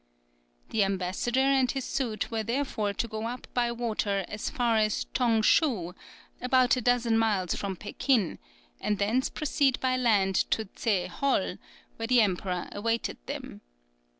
The ambassador and his suite were therefore to go up by water as far as Tong Schou, about a dozen miles from Pekin, and thence proceed by land to Zhe Hol, where the emperor awaited them.